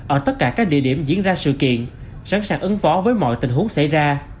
ở tất cả các địa điểm diễn ra sự kiện sẵn sàng ứng phó với mọi tình huống xảy ra